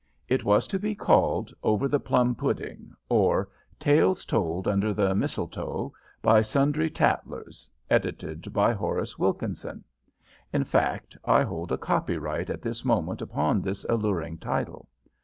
It was to be called "Over the Plum Pudding; or, Tales Told Under the Mistletoe, by Sundry Tattlers. Edited by Horace Wilkinson" in fact, I hold a copyright at this moment upon this alluring title.